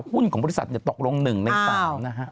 หุ้นของบริษัทตกลง๑ใน๓นะฮะ